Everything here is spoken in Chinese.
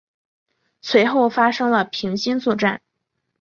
随后发生了平津作战。